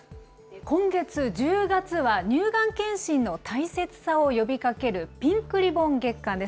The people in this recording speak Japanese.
今月・１０月は乳がん検診の大切さを呼びかけるピンクリボン月間です。